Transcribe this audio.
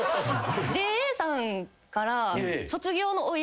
ＪＡさんから。